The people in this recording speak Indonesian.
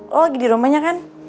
oh lagi di rumahnya kan